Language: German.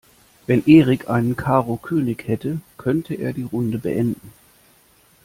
Wenn Erik einen Karo-König hätte, könnte er die Runde beenden.